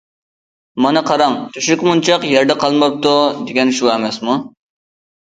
مانا قاراڭ،« تۆشۈك مونچاق يەردە قالماپتۇ» دېگەن شۇ ئەمەسمۇ.